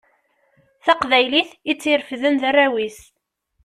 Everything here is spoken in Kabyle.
Taqbaylit i tt-irefden d arraw-is.